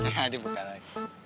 eh ada bukaan lagi